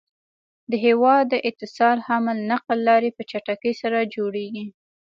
د هيواد د اتصال حمل نقل لاری په چټکی سره جوړيږي